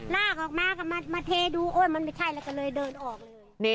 ลากออกมาก็มาเทดูโอ๊ยมันไม่ใช่แล้วก็เลยเดินออกเลย